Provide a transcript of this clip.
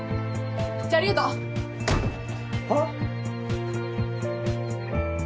じゃあありがとう。はっ？